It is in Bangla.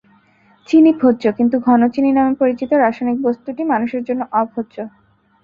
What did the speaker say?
চিনি ভোজ্য কিন্তু ঘনচিনি নামে পরিচিত রাসায়নিক বস্তুটি মানুষের জন্য অভোজ্য।